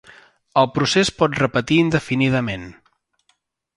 El procés pot repetir indefinidament.